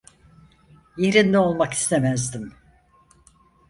Yerinde olmak istemezdim.